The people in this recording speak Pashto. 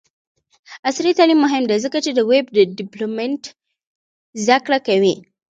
عصري تعلیم مهم دی ځکه چې د ویب ډیولپمنټ زدکړه کوي.